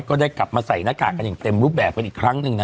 ก็ได้กลับมาใส่หน้ากากกันอย่างเต็มรูปแบบกันอีกครั้งหนึ่งนะ